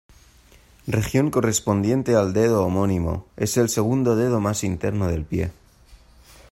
Región correspondiente al dedo homónimo: es el segundo dedo más interno del pie.